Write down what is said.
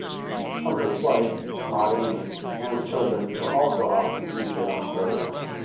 Humbard's wife, Maude Aimee, and his children were also often featured on the programs.